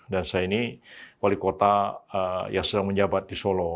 dan saya ini wali kota yang sedang menjabat di solo